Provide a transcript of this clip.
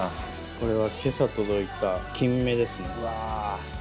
これは今朝届いた金目ですね。